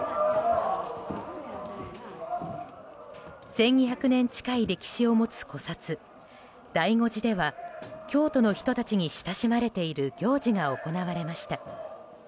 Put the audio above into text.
１２００年近い歴史を持つ古刹醍醐寺では京都の人たちに親しまれている行事が行われました。